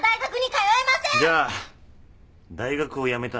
じゃあ大学をやめたら？